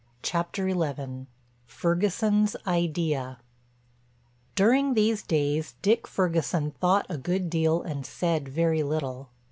CHAPTER XI—FERGUSON'S IDEA During these days Dick Ferguson thought a good deal and said very little.